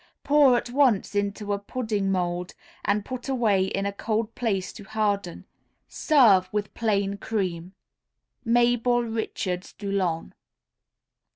Pour at once into a pudding mould, and put away in a cold place to harden. Serve with plain cream. _Mabel Richards Dulon.